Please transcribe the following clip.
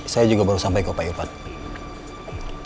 saya juga baru sampai ke upaya upaya